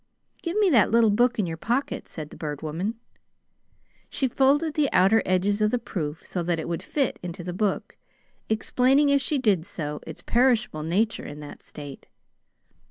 "Give me that little book in your pocket," said the Bird Woman. She folded the outer edges of the proof so that it would fit into the book, explaining as she did so its perishable nature in that state.